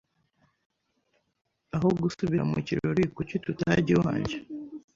Aho gusubira mu kirori, kuki tutajya iwanjye?